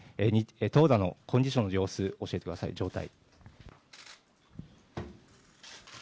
投打のコンディションの様子、教えてください、状態。